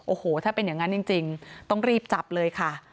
โอ้โหถ้าเป็นอย่างนั้นจริงต้องรีบจับเลยค่ะ